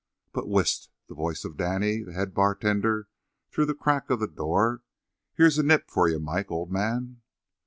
But, whisht! The voice of Danny, the head bartender, through the crack of the door: "Here's a nip for ye, Mike, ould man."